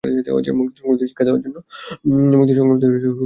মুক্তিসংগ্রামীদের শিক্ষা দেওয়ার জন্য লাশ বেশ কয়েক দিন গাছে ঝুলিয়ে রাখা হয়।